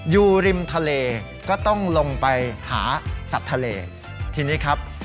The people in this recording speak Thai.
อยู่ริมทะเลก็ต้องลงไปหาสัตว์ทะเลทีนี้ครับ